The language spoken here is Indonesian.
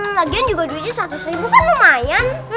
lagian juga duitnya seratus ribu kan lumayan